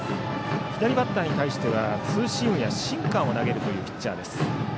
左バッターに対してはツーシームやシンカーも投げるというピッチャーです。